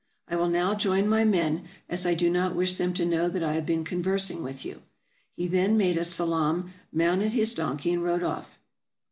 I will now join my men, as I do not wish them to know that I have been conversing with you." He then made a salaam, mounted his donkey, and rode off.